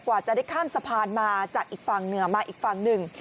กว่าจะได้ข้ามสะพานมาจากอีกฝั่งเหนือมาอีกฝั่งหนึ่ง